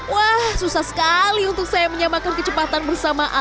wah susah sekali untuk saya menyamarkan kecepatan bersama alia dan ajeng susah